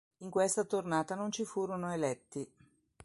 In questa tornata non ci furono eletti.